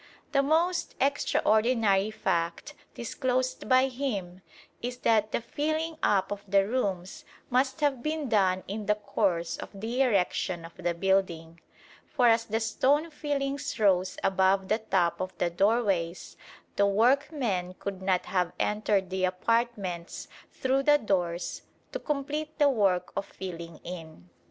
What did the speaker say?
The most extraordinary fact disclosed by him is that the filling up of the rooms must have been done in the course of the erection of the building; for as the stone fillings rose above the top of the doorways the workmen could not have entered the apartments through the doors to complete the work of filling in.